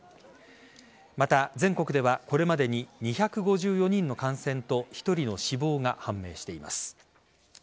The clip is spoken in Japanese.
また、全国ではこれまでに２５４人の感染と１人の死亡が判明しています。